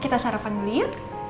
kita sarapan dulu ya